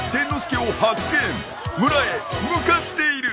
村へ向かっている。